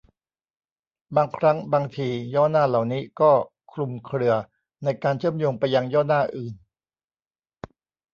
บางครั้งบางที ย่อหน้าเหล่านี้ก็คลุมเครือในการเชื่อมโยงไปยังย่อหน้าอื่น